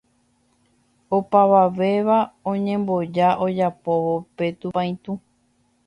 opavavéva oñemboja ojapóvo pe tupãitũ